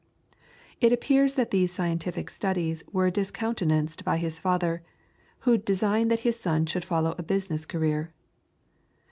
It appears that these scientific studies were discountenanced by his father, who designed that his son should follow a business career.